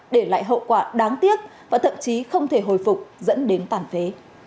để lại hậu quả đáng tiếc và thậm chí không thể hồi phục dẫn đến tàn phế